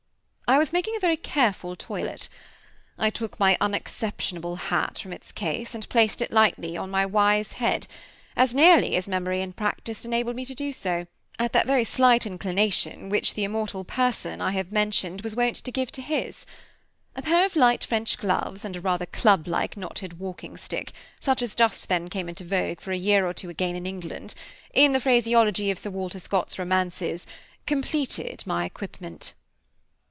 I was making a very careful toilet. I took my unexceptionable hat from its case, and placed it lightly on my wise head, as nearly as memory and practice enabled me to do so, at that very slight inclination which the immortal person I have mentioned was wont to give to his. A pair of light French gloves and a rather club like knotted walking stick, such as just then came into vogue for a year or two again in England, in the phraseology of Sir Walter Scott's romances "completed my equipment."